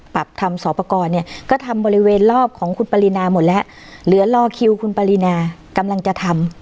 ปรับทำสอบประกอบเนี่ยก็ทำบริเวณรอบของคุณปรินาหมดแล้วเหลือรอคิวคุณปรินากำลังจะทำ